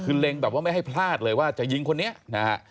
คือเล็งแบบว่าไม่ให้พลาดเลยว่าจะยิงคนนี้นะฮะ